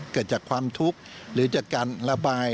เกิดจากความทุกข์หรือจากการระบาย